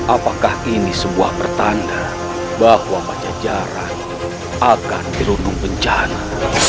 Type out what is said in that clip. apakah ini sebuah pertanda bahwa baca jarak akan dilunung bencana